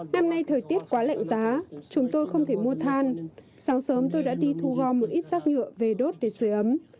năm nay thời tiết quá lạnh giá chúng tôi không thể mua than sáng sớm tôi đã đi thu gom một ít rác nhựa về đốt để sửa ấm